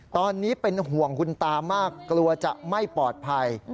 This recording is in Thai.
ตอนนี้เป็นห่วงคุณตามากกลัวจะไม่ปลอดภัย